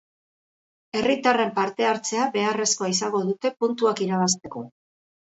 Herritarren parte hartzea beharrezkoa izango dute puntuak irabazteko.